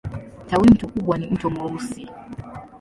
Tawimto kubwa ni Mto Mweusi.